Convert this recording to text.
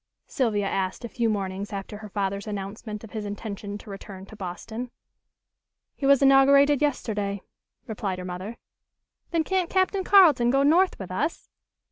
Sylvia asked a few mornings after her father's announcement of his intention to return to Boston. "He was inaugurated yesterday," replied her mother. "Then can't Captain Carleton go north with us?"